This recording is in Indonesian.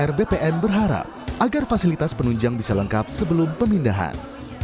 kemudian kementrian atr bpn berharap agar fasilitas penunjang bisa lengkap sebelum pemindahan